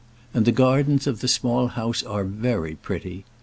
And the gardens of the Small House are very pretty.